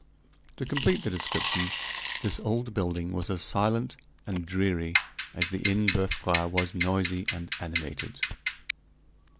To complete the description, this old building was as silent and dreary as the Inn Boeuf Gras was noisy and animated.